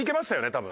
多分。